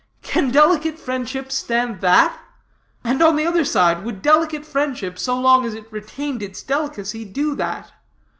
Can delicate friendship stand that? And, on the other side, would delicate friendship, so long as it retained its delicacy, do that?